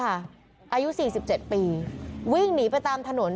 เพราะถูกทำร้ายเหมือนการบาดเจ็บเนื้อตัวมีแผลถลอก